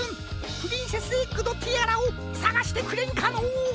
プリンセスエッグのティアラをさがしてくれんかのう。